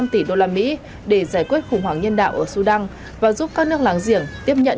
năm tỷ usd để giải quyết khủng hoảng nhân đạo ở sudan và giúp các nước láng giềng tiếp nhận